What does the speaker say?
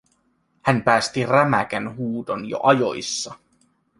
Hän päästi rämäkän huudon jo ajoissa.